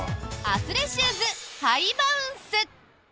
アスレシューズハイバウンス。